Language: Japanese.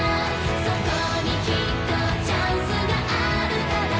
「そこにきっとチャンスがあるから」